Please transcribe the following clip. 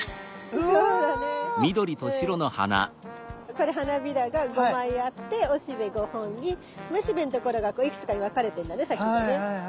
これ花びらが５枚あって雄しべ５本に雌しべのところがこういくつかに分かれてんだね先がね。